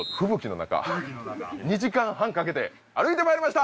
なか２時間半かけて歩いてまいりました